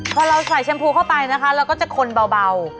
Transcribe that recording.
พอเราใส่แชมพูเข้าไปนะคะเราก็จะคนเบา